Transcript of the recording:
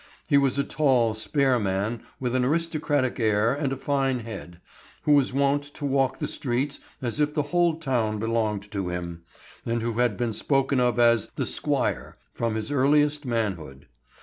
He was a tall, spare man with an aristocratic air and a fine head, who was wont to walk the streets as if the whole town belonged to him, and who had been spoken of as "the Squire" from his earliest manhood.